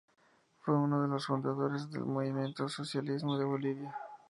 Fue uno de los fundadores del Movimiento al Socialismo de Bolivia.